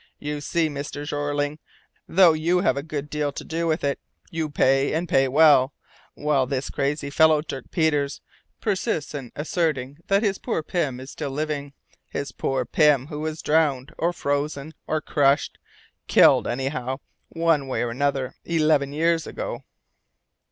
You see, Mr. Jeorling, though you have a good deal to do with it, you pay, and pay well, while this crazy fellow, Dirk Peters, persists in asserting that his poor Pym is still living his poor Pym who was drowned, or frozen, or crushed killed, anyhow, one way or another, eleven years ago!"